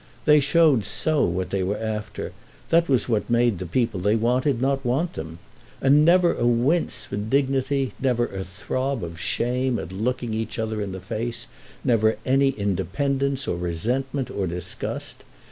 They showed so what they were after; that was what made the people they wanted not want them. And never a wince for dignity, never a throb of shame at looking each other in the face, never any independence or resentment or disgust.